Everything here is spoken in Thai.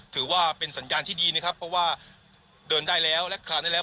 ถือว่าเป็นสัญญาณที่ดีนะครับเพราะว่าเดินได้แล้วและคราวได้แล้ว